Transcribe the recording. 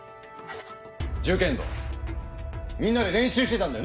銃剣道みんなで練習してたんだよな！？